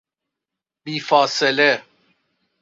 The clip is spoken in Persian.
بی فاصله